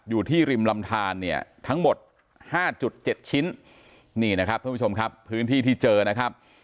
อยู่ที่ริมลำทานเนี่ยทั้งหมด๕๗ชิ้นนี่นะครับท่านผู้ชมครับพื้นที่ที่เจอนะครับ